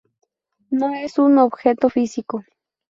No es un objeto físico.